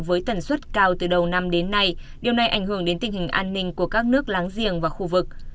với tần suất cao từ đầu năm đến nay điều này ảnh hưởng đến tình hình an ninh của các nước láng giềng và khu vực